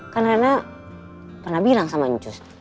kan rina pernah bilang sama njus